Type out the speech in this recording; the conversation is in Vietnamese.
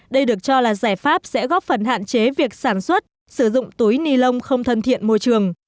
đây được cho là giải pháp sẽ góp phần hạn chế việc sản xuất sử dụng túi ni lông không thân thiện môi trường